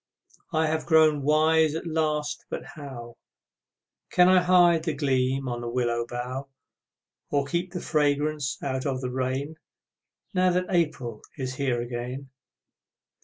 I have grown wise at last but how Can I hide the gleam on the willow bough, Or keep the fragrance out of the rain Now that April is here again?